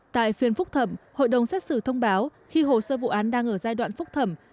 tại phiên phúc thẩm hội đồng xét xử thông báo khi hồ sơ vụ án đang ở giai đoạn phúc thẩm